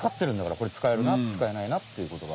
これ使えるな使えないなっていうことが。